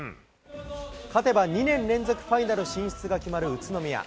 勝てば２年連続ファイナル進出が決まる宇都宮。